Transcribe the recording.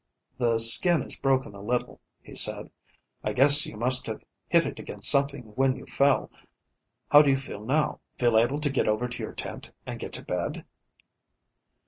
"The skin is broken a little," he said. "I guess you must have hit it against something when you fell. How do you feel now? Feel able to get over to your tent and get to bed?"